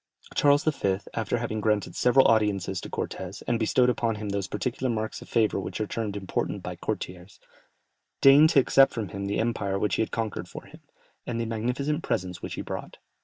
Charles V., after having granted several audiences to Cortès, and bestowed upon him those particular marks of favour which are termed important by courtiers, deigned to accept from him the empire which he had conquered for him, and the magnificent presents which he brought.